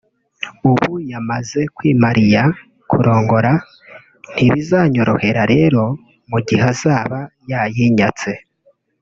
ubu yamaze kwimariya (kurongora) ntibizanyorohera rero mu gihe azaba yayinyatse”